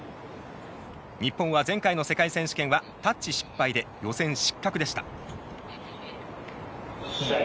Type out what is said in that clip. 日本は前回の世界選手権はタッチ失敗で予選失格でした。